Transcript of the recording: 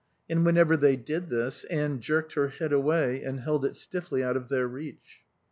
And whenever they did this Anne jerked her head away and held it stiffly out of their reach.